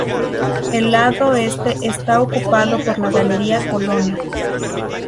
El lado este está ocupado por la Galería Colonna.